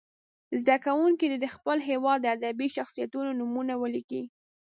زده کوونکي دې د خپل هېواد د ادبي شخصیتونو نومونه ولیکي.